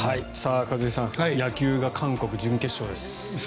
一茂さん、野球は韓国準決勝です。